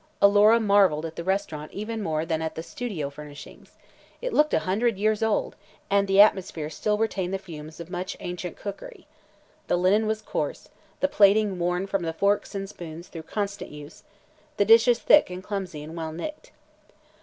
Alora marveled at the restaurant even more than at the studio furnishings. It looked a hundred years old and the atmosphere still retained the fumes of much ancient cookery. The linen was coarse, the plating worn from the forks and spoons through constant use, the dishes thick and clumsy and well nicked.